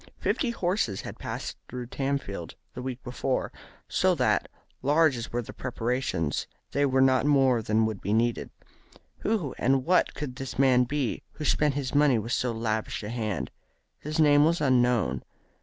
Fifty horses had passed through Tamfield the week before, so that, large as were the preparations, they were not more than would be needed. Who and what could this man be who spent his money with so lavish a hand? His name was unknown.